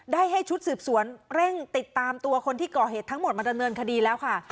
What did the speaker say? ได้ให้ชุดสืบสวนเร่งติดตามตัวคนที่ก่อเหตุทั้งหมดมาดำเนินคดีแล้วค่ะ